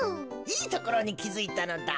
いいところにきづいたのだ。